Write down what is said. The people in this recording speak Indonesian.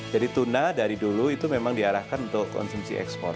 jadi tuna dari dulu itu memang diarahkan untuk konsumsi ekspor